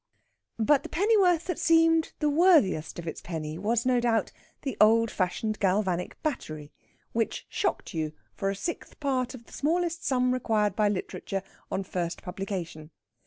But the pennyworth that seemed the worthiest of its penny was, no doubt, the old fashioned galvanic battery, which shocked you for a sixth part of the smallest sum required by literature on first publication.